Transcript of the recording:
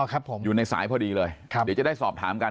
ครับผมอยู่ในสายพอดีเลยเดี๋ยวจะได้สอบถามกัน